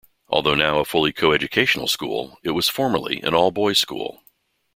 Although now a fully co-educational school, it was formerly an all-boys school.